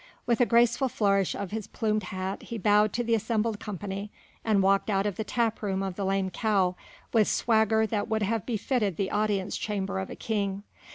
With a graceful flourish of his plumed hat he bowed to the assembled company and walked out of the tap room of the "Lame Cow" with swagger that would have befitted the audience chamber of a king.